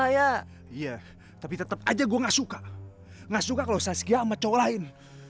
hai days policies awakaktif jangan bohong bohong process your said